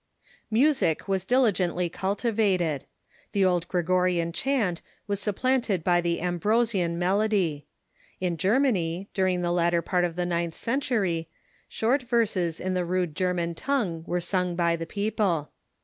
Music was diligently cultivated. The old Gregorian chant was supplanted by the Ambrosian melody. In Germany, dur ing the latter part of the ninth century, short verses in Music o i J ' the rude German language were sung by the people.